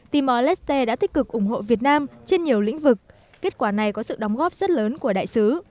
timor leste đã tích cực ủng hộ việt nam trên nhiều lĩnh vực kết quả này có sự đóng góp rất lớn của đại sứ